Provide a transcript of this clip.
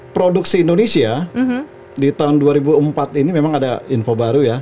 produksi indonesia di tahun dua ribu empat ini memang ada info baru ya